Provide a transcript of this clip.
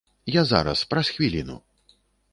Я зараз, праз хвіліну.